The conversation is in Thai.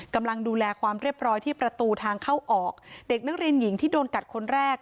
กำลังดูแลความเรียบร้อยที่ประตูทางเข้าออกเด็กนักเรียนหญิงที่โดนกัดคนแรก